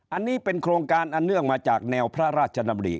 อันนี้เป็นโครงการอันเนื่องมาจากแนวพระราชดำริ